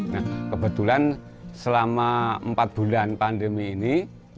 nah kebetulan selama empat bulan pandemi ini